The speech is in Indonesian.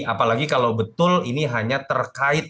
apalagi kalau betul ini hanya terkait